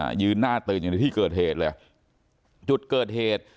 ยืนหน้าตื่นอยู่ในที่เกิดเหตุเลยจุดเกิดเหตุ